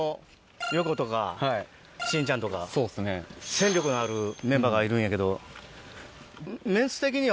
戦力のあるメンバーがいるんやけど。